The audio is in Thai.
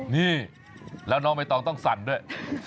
นี่แล้วน้องใบตองต้องสั่นด้วย